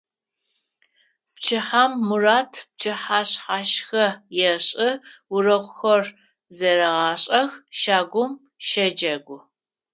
Пчыхьэм Мурат пчыхьэшъхьашхэ ешӏы, урокхэр зэрегъашӏэх, щагум щэджэгу.